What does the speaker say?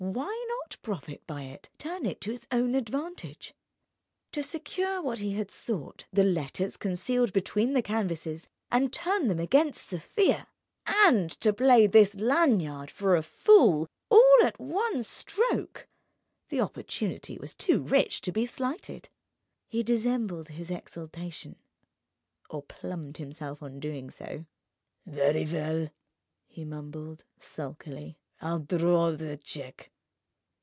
Why not profit by it, turn it to his own advantage? To secure what he had sought, the letters concealed between the canvases, and turn them against Sofia, and to play this Lanyard for a fool, all at one stroke—the opportunity was too rich to be slighted. He dissembled his exultation—or plumed himself on doing so. "Very well," he mumbled, sulkily. "I'll draw the cheque."